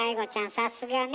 さすがね。